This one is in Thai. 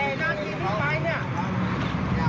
กลับมาช่วยกัน